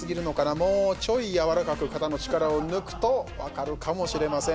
もうちょい柔らかく肩の力を抜くと分かるかもしれません。